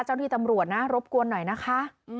เจ้าหนี้ตำรวจรบกวนหน่อยนะคะ